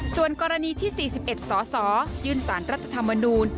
ส่วนกรณีที่๔๑สสยื่นสารรัฐธรรมนูล